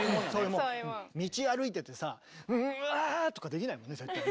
道歩いててさ「んあぁ！」とかできないもんね絶対ね。